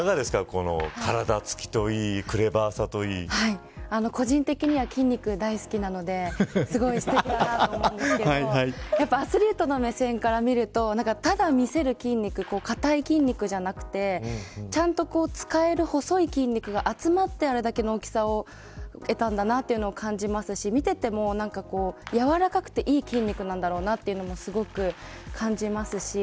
この体つきといい個人的には筋肉、大好きなのですごいすてきだなと思うんですけどアスリートの目線から見るとただ見せる筋肉硬い筋肉じゃなくてちゃんと使える細い筋肉が集まってあれだけの大きさを得たんだなというのを感じますし見てても、やわらかくていい筋肉なんだろうなというのもすごく感じますし。